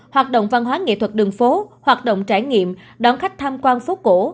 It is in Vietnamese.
hoạt động văn hóa nghệ thuật đường phố hoạt động trải nghiệm đón khách tham quan phố cổ